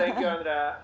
thank you andra